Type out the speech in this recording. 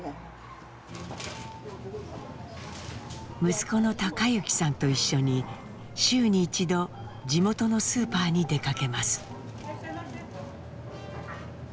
息子の貴之さんと一緒に週に１度地元のスーパーに出かけます。